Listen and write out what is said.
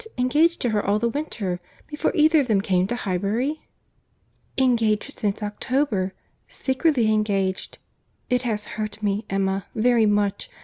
—engaged to her all the winter—before either of them came to Highbury?" "Engaged since October,—secretly engaged.—It has hurt me, Emma, very much.